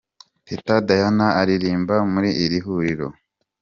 Teta Diana aririmba muri iri huriro